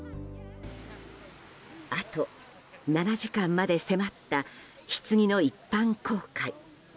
あと７時間まで迫ったひつぎの一般公開。